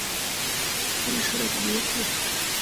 Гриш родо, миет вет?